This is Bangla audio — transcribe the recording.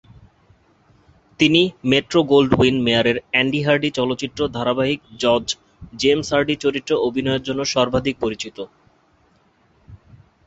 তিনি মেট্রো-গোল্ডউইন-মেয়ারের অ্যান্ডি হার্ডি চলচ্চিত্র ধারাবাহিক জজ জেমস হার্ডি চরিত্রে অভিনয়ের জন্য সর্বাধিক পরিচিত।